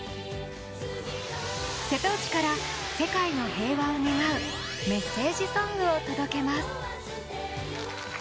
瀬戸内から世界の平和を願うメッセージソングを届けます。